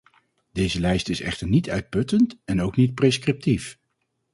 Deze lijst is echter niet uitputtend en ook niet prescriptief.